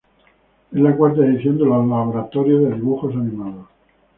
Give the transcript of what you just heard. Es la cuarta edición de los "laboratorios" de dibujos animados.